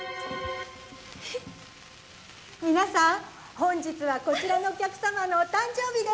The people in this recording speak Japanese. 皆さん本日はこちらのお客様のお誕生日です。